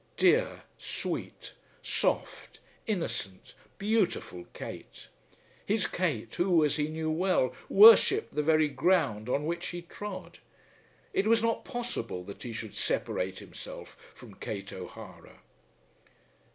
Dear, sweet, soft, innocent, beautiful Kate! His Kate who, as he knew well, worshipped the very ground on which he trod! It was not possible that he should separate himself from Kate O'Hara.